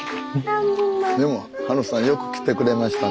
でもハルさんよく来てくれましたね。